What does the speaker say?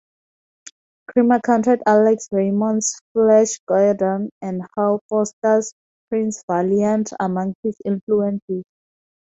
Kremer counted Alex Raymond's "Flash Gordon" and Hal Foster's "Prince Valiant" among his influences.